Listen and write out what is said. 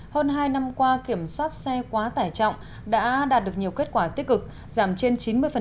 hơn hai năm qua kiểm soát xe quá tải trọng đã đạt được nhiều kết quả tích cực giảm trên chín mươi